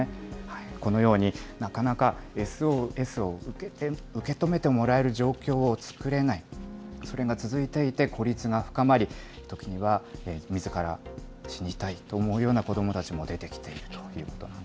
このように、なかなかＳＯＳを受け止めてもらえる状況を作れない、それが続いていて、孤立が深まり、時には、みずから死にたいと思うような子どもたちも出てきているというこ